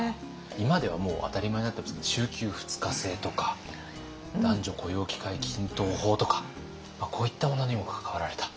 今ではもう当たり前になってますが週休二日制とか男女雇用機会均等法とかこういったものにも関わられた。